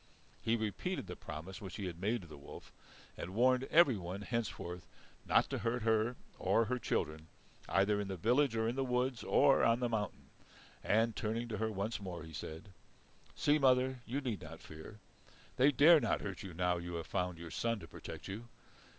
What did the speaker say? He repeated the promise which he had made to the wolf, and warned everyone henceforth not to hurt her or her children, either in the village or in the woods or on the mountain. And, turning to her once more, he said: "See, mother, you need not fear. They dare not hurt you now you have found your son to protect you.